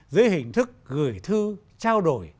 dưới hình thức gửi thư trao đổi